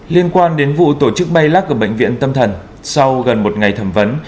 liên quan đến vụ tổ chức bay lác ở bệnh viện tâm thần sau gần một ngày thẩm vấn